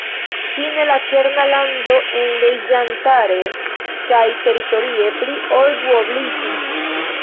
Fine la kerna lando enloĝantare kaj teritorie pli ol duobliĝis.